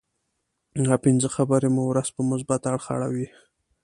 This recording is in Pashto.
دا پنځه خبرې مو ورځ په مثبت اړخ اړوي.